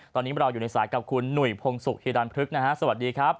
ตอนนี้เราอยู่ในสายกับคุณหนุ่ยพงศุกร์ฮิรันพฤกษ์นะฮะสวัสดีครับ